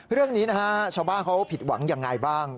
เรื่องนี้นะฮะชาวบ้านเขาผิดหวังยังไงบ้าง